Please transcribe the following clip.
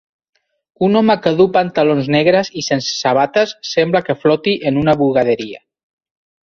Un home que duu pantalons negres i sense sabates sembla que floti en una bugaderia.